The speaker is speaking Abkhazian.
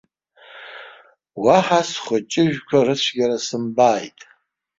Уаҳа схәыҷыжәқәа рыцәгьара сымбааит.